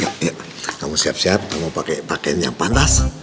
kamu siap siap kamu pakai yang pantas